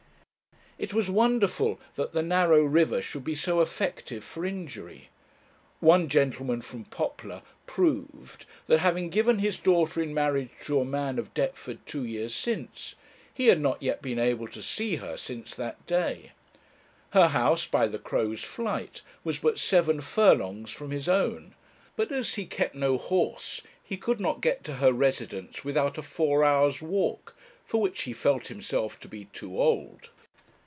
It was wonderful that the narrow river should be so effective for injury. One gentleman from Poplar proved that, having given his daughter in marriage to a man of Deptford two years since, he had not yet been able to see her since that day. Her house, by the crow's flight, was but seven furlongs from his own; but, as he kept no horse, he could not get to her residence without a four hours' walk, for which he felt himself to be too old.